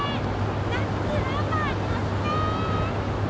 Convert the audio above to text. ナッツラバーにおすすめ！